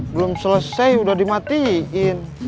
belum selesai udah dimatiin